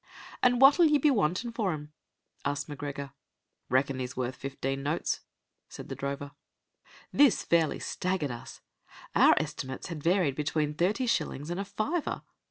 "An' what'll ye be wantin' for him?" asked M'Gregor. "Reckon he's worth fifteen notes," said the drover. This fairly staggered us. Our estimates had varied between thirty shillings and a fiver.